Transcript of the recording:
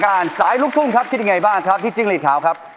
นำอาการสายลูกทุ่มครับคิดอย่างไรบ้างครับที่จิ๊งลีทขาวครับ